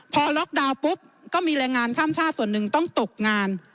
พอล็อกดาวน์ปุ๊บก็มีแรงงานข้ามชาติส่วนหนึ่งต้องตกงาน